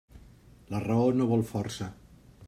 La raó no vol força.